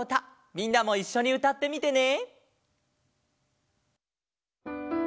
みんなもいっしょにうたってみてね。